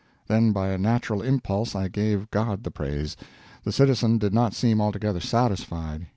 Then by a natural impulse I gave God the praise. The citizen did not seem altogether satisfied.